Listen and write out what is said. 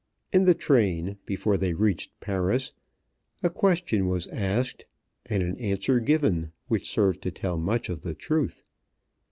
In the train, before they reached Paris, a question was asked and an answer given which served to tell much of the truth.